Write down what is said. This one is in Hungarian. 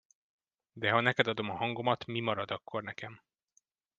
De ha neked adom a hangomat, mi marad akkor nekem?